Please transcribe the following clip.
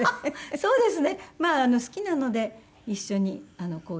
そうですよね。